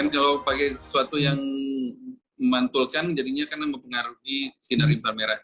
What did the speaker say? kalau pakai sesuatu yang memantulkan jadinya akan mempengaruhi sinar inframerah tadi